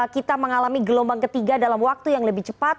kita mengalami gelombang ketiga dalam waktu yang lebih cepat